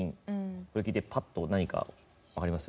これ聞いて、ぱっと何か分かります？